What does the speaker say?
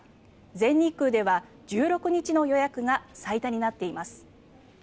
全日空では１６日の予約が最多になっています。